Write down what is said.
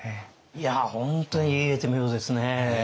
いや本当に言い得て妙ですね。